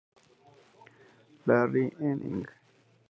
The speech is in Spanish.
Larry Hennig.